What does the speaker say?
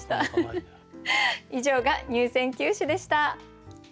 以上が入選九首でした。